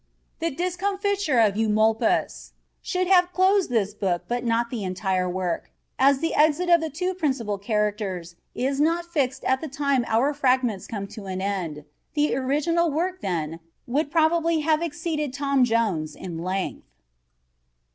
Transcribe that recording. The discomfiture of Eumolpus should have closed this book but not the entire work, as the exit of the two principal characters is not fixed at the time our fragments come to an end. The original work, then, would probably have exceeded Tom Jones in length.